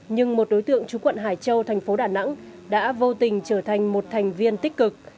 nhưng một đối tượng chú quận hải châu thành phố đà nẵng đã vô tình trở thành một thành viên tích cực